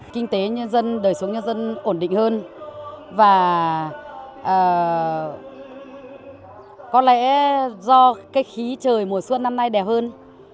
kinh tế nhân dân đời sống nhân dân ổn định hơn và có lẽ do cái khí trời mùa xuân năm nay đẹp hơn